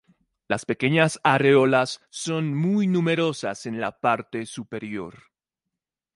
Las muy pequeñas areolas son muy numerosos en la parte superior.